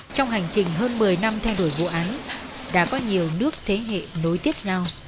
trong hành trình hơn một mươi năm thay đổi vụ án đã có nhiều nước thế hệ nối tiếp nhau